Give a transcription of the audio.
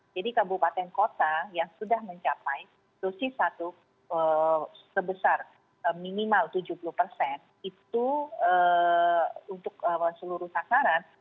jadi kabupaten kota yang sudah mencapai dosis satu sebesar minimal tujuh puluh itu untuk seluruh takaran